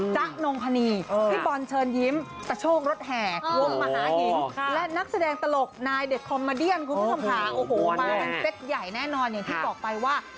แต่คืนนี้คืนที่๓อาจใกล้ว่างแวะไปหน่อยละกัน